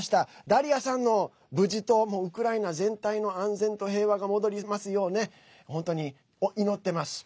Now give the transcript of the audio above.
ダリアさんの無事とウクライナ全体の安全と平和が戻りますよう本当に祈ってます。